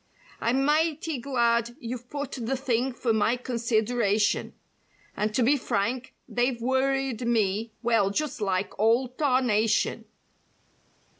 "I'm mighty glad you've put the thing for my con¬ sideration "And to be frank they've worried me, well just like all tarnation!